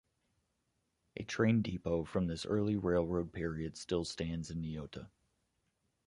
A train depot from this early railroad period still stands in Niota.